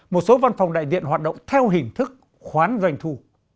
một số văn phòng đại diện hoạt động theo hình thức khoán doanh thu